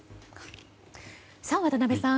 渡辺さん